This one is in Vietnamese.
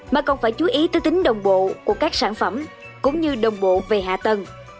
mà còn phải chú ý tới tính đồng bộ của các sản phẩm cũng như đồng bộ về hạ tầng